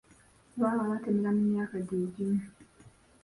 Baba batemera mu myaka gye gimu.